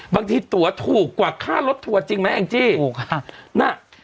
บางทีตั๋วถูกกว่าค่าลดตั๋วจริงไหมแองจี้ถูกค่ะ